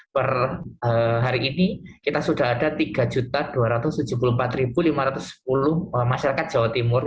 per hari ini kita sudah ada tiga dua ratus tujuh puluh empat lima ratus sepuluh masyarakat jawa timur